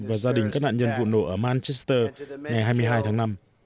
và gia đình các nạn nhân vụ nổ ở manchester ngày hai mươi hai tháng năm